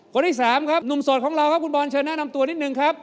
คนที่สามครับหนุ่มโสดของเราครับคุณบอลเชิญแนะนำตัวนิดนึงครับ